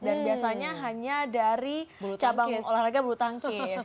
biasanya hanya dari cabang olahraga bulu tangkis